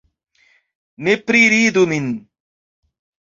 Ne priridu min